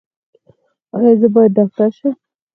ایا زه باید ډاکټر شم؟